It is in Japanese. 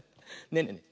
ねえねえ